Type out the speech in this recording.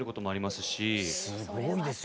すごいですね。